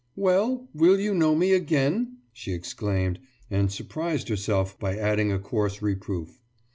»Well, will you know me again?« she exclaimed, and surprised herself by adding a coarse reproof.